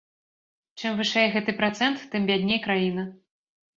Чым вышэй гэты працэнт, тым бядней краіна.